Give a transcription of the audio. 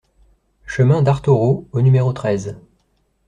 Chemin d'Artoreau au numéro treize